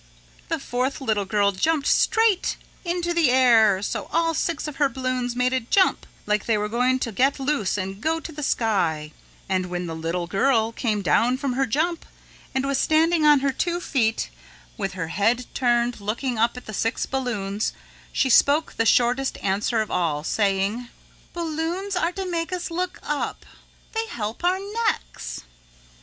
'" The fourth little girl jumped straight into the air so all six of her balloons made a jump like they were going to get loose and go to the sky and when the little girl came down from her jump and was standing on her two feet with her head turned looking up at the six balloons, she spoke the shortest answer of all, saying: "Balloons are to make us look up. They help our necks."